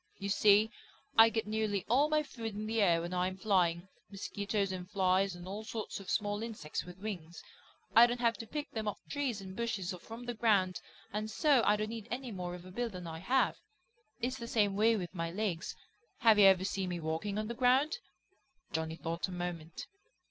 You see, I get nearly all my food in the air when I am flying, mosquitoes and flies and all sorts of small insects with wings. I don't have to pick them off trees and bushes or from the ground and so I don't need any more of a bill than I have. It's the same way with my legs. Have you ever seen me walking on the ground?" Johnny thought a moment.